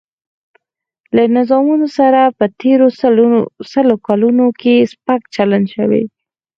له نظامونو سره په تېرو سلو کلونو کې سپک چلن شوی.